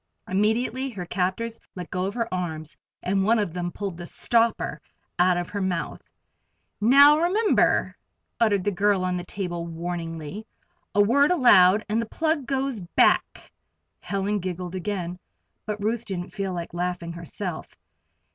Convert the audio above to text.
Immediately her captors let go of her arms and one of them pulled the "stopper" out of her mouth. "Now, remember!" uttered the girl on the table, warningly. "A word aloud and the plug goes back." Helen giggled again, but Ruth didn't feel like laughing herself.